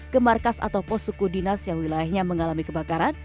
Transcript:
ke markas atau pos suku dinas yang wilayahnya mengalami kebakaran